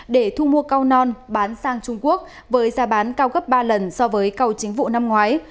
để thu mua cao non bán sang trung quốc với giá bán cao gấp ba lần so với cầu chính vụ năm ngoái